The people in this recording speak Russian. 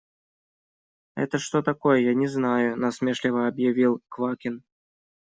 Это что такое, я не знаю, – насмешливо объявил Квакин.